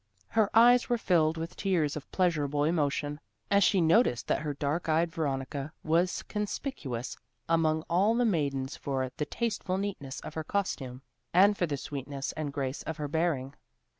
Her eyes were filled with tears of pleasurable emotion, as she noticed that her dark eyed Veronica was conspicuous among all the maidens for the tasteful neatness of her costume, and for the sweetness and grace of her bearing.